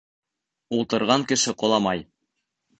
Ултырған кеше ҡоламай.